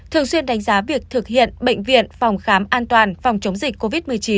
thường xuyên đánh giá việc thực hiện bệnh viện phòng khám an toàn phòng chống dịch covid một mươi chín